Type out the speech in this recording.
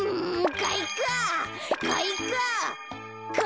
かいか！